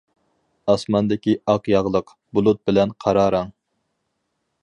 ئاسماندىكى ئاق ياغلىق، بۇلۇت بىلەن قارا رەڭ.